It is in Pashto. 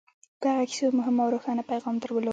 دغو کيسو يو مهم او روښانه پيغام درلود.